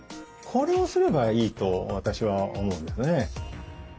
これをすればいいと私は思うんですね。